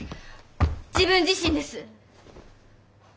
自分自身です。